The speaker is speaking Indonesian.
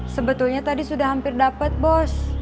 sebetulnya tadi sudah hampir dapat bos